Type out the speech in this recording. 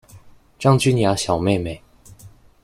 張君雅小妹妹